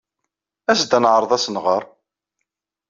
As-d ad neɛreḍ ad as-nɣer.